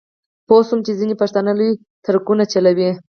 پوی شوم چې ځینې پښتانه لوی ټرکونه چلوي.